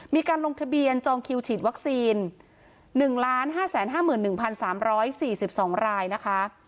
มีการลงทะเบียนจองคิวฉีดวัคซีน๑๕๕๑๓๔๒รายนะคะ